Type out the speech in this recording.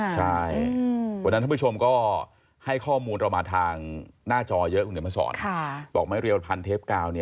ใช่วันนั้นท่านผู้ชมก็ให้ข้อมูลเรามาทางหน้าจอเยอะคุณเดี๋ยวมาสอน